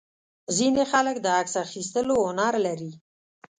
ځینې خلک د عکس اخیستلو هنر لري.